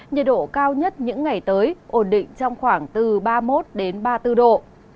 nhiệt độ cao nhất những ngày tới ổn định trong khoảng từ ba mươi một ba mươi bốn độ